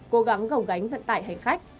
cố gắng gầu gánh vận tải hành khách